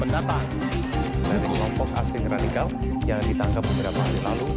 dan kelompok asing radikal yang ditangkap beberapa hari lalu